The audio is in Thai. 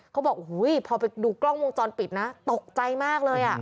เขาบอกโอ้โหพอไปดูกล้องวงจรปิดนะตกใจมากเลยอ่ะ